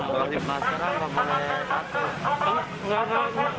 mas sekarang gak boleh apa